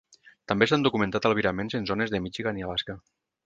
També s'han documentat albiraments en zones de Michigan i Alaska.